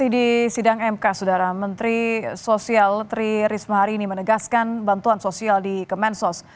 di sidang mk sudara menteri sosial tri risma hari ini menegaskan bantuan sosial di kemensos